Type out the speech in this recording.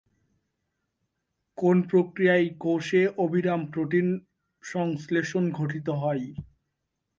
কোন প্রক্রিয়ায় কোষে অবিরাম প্রোটিন সংশ্লেষণ সংঘটিত হয়?